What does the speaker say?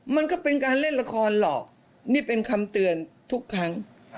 มันก็เป็นการเล่นละครหรอกนี่เป็นคำเตือนทุกครั้ง